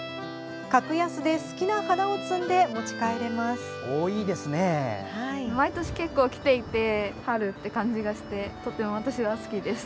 格安で好きな花を摘んで持ち帰れます。